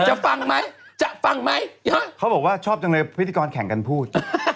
ฟังไหมจะฟังไหมเยอะเขาบอกว่าชอบจังเลยพิธีกรแข่งกันพูด